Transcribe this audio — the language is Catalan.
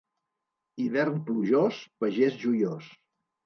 Hivern plujós, pagès joiós.